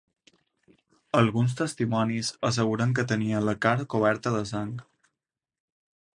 Alguns testimonis asseguren que tenia la cara coberta de sang.